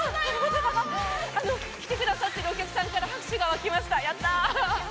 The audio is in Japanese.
来てくださってるお客さんから拍手が湧きました。